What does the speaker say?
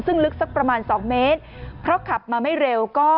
ซึ่งลึกสักประมาณ๒เมตรเพราะขับมาไม่เร็วก็